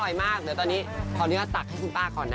อร่อยมากเดี๋ยวตอนนี้ขอเนื้อตักให้ซุ้มป้าก่อนนะ